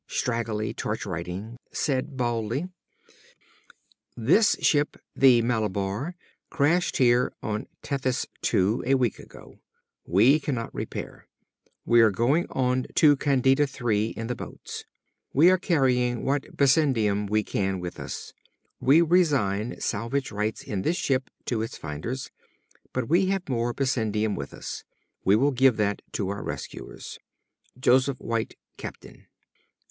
Straggly torch writing said baldly; "_This ship the Malabar crashed here on Tethys II a week ago. We cannot repair. We are going on to Candida III in the boats. We are carrying what bessendium we can with us. We resign salvage rights in this ship to its finders, but we have more bessendium with us. We will give that to our rescuers._ "_Jos. White, Captain.